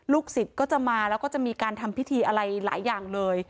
สิทธิ์ก็จะมาแล้วก็จะมีการทำพิธีอะไรหลายอย่างเลย